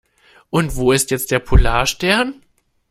Und wo ist jetzt der Polarstern?